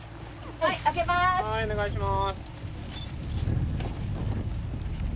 はいお願いします。